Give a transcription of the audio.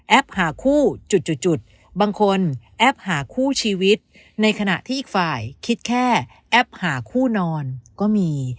หาคู่จุดจุดบางคนแอปหาคู่ชีวิตในขณะที่อีกฝ่ายคิดแค่แอปหาคู่นอนก็มี